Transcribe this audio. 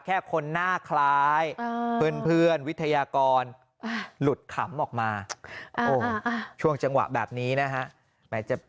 แค่คนหน้าคล้ายเพื่อนวิทยากรหลุดขำออกมาช่วงจังหวะแบบนี้นะฮะ